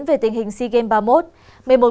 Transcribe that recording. về tình hình sea games ba mươi một